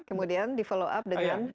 kemudian di follow up dengan